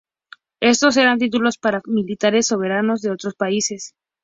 Estos eran títulos para militares soberanos de otros países.